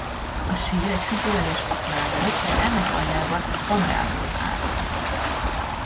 A sír egy függőleges aknából és ennek aljában egy kamrából áll.